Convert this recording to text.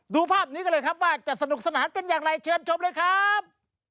ดูภาพนี้กันเลยครับว่าจะสนุกสนานเป็นอย่างไรเชิญชมเลยครับ